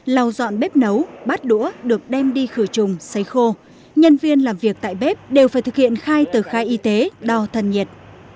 lau dọn bếp nấu bát đũa được đem đi khử trùng xây khô nhân viên làm việc tại bếp đều phải thực hiện khai tờ khai y tế đo thân nhiệt